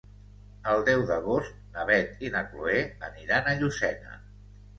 El deu d'agost na Beth i na Chloé aniran a Llucena.